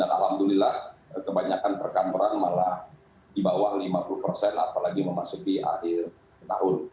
dan alhamdulillah kebanyakan perkameran malah dibawah lima puluh persen apalagi memasuki akhir tahun